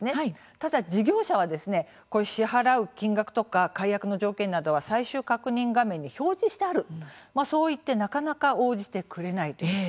ただ事業者は支払う金額とか解約の条件などは最終確認画面に表示してあるそういってなかなか応じてくれないというんです。